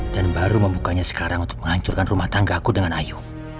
dan baru membukanya sekarang untuk menghancurkan rumah tangga aku dengan ayu